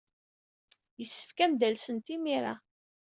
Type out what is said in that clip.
Yessefk ad am-d-alsent imir-a.